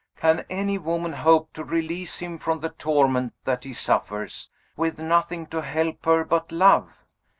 Can any woman hope to release him from the torment that he suffers, with nothing to help her but love?